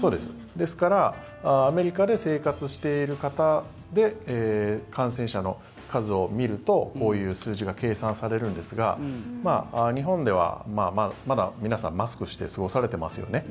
ですからアメリカで生活している方で感染者の数を見るとこういう数字が計算されるんですが日本ではまだ皆さん、マスクをして過ごされていますよね。